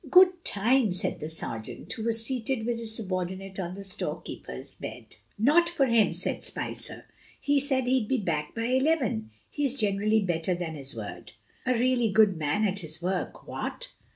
"Good time," said the sergeant, who was seated with his subordinate on the storekeeper's bed. "Not for him," said Spicer. "He said he'd be back by eleven. He's generally better than his word." "A really good man at his work what?"